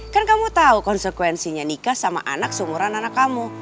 kan kamu tahu konsekuensinya nikah sama anak seumuran anak kamu